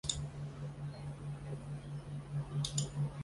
富良县是越南太原省下辖的一个县。